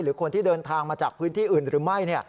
คนที่เดินทางมาจากพื้นที่อื่นหรือไม่